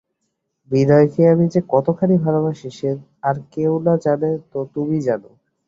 বিনয়কে আমি যে কতখানি ভালোবাসি সে আর কেউ না জানে তো তুমি জান।